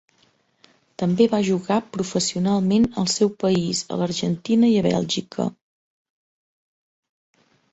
També va jugar professionalment al seu país, a l'Argentina i a Bèlgica.